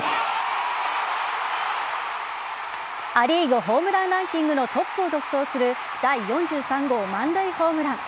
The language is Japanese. ア・リーグホームランランキングのトップを独走する第４３号満塁ホームラン。